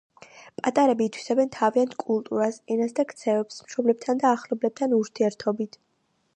პატარები ითვისებენ თავიანთ კულტურას, ენას და ქცევებს მშობლებთან და ახლობლებთან ურთიერთობით.